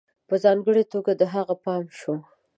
په ځانگړي توگه د هغه پام شو